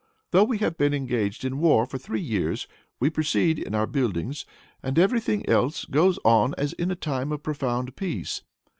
Though we have been engaged in war for three years, we proceed in our buildings, and every thing else goes on as in a time of profound peace.